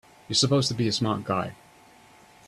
You're supposed to be a smart guy!